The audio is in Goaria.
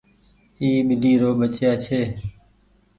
اي ٻلي رو ٻچآ ڇي۔